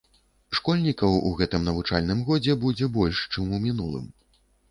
Школьнікаў у гэтым навучальным годзе будзе больш, чым у мінулым.